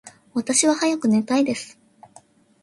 私は早く寝たいです。